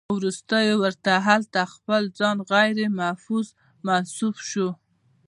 خو وروستو ورته هلته خپل ځان غيرمحفوظ محسوس شو